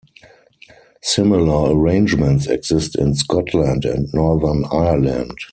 Similar arrangements exist in Scotland and Northern Ireland.